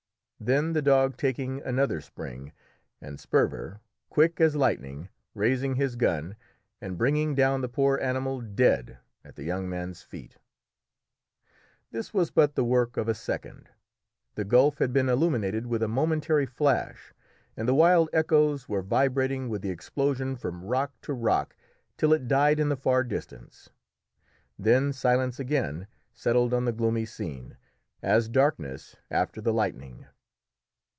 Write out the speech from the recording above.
then the dog taking another spring, and Sperver, quick as lightning, raising his gun, and bringing down the poor animal dead at the young man's feet. This was but the work of a second. The gulf had been illuminated with a momentary flash, and the wild echoes were vibrating with the explosion from rock to rock, till it died in the far distance. Then silence again settled on the gloomy scene, as darkness after the lightning.